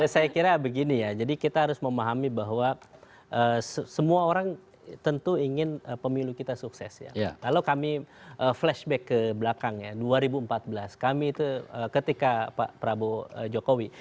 saya kira begini ya jadi kita harus memahami bahwa semua orang tentu ingin pemilu kita sukses ya kalau kami flashback ke belakang ya dua ribu empat belas kami itu ketika pak prabowo jokowi